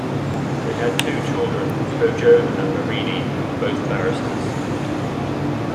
They had two children, Kojo and Merene, both barristers.